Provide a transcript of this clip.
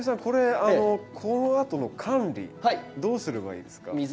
これこのあとの管理どうすればいいですか？